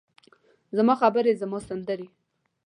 زما خبرې، زما سندرې،